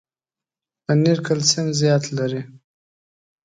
پنېر کلسیم زیات لري.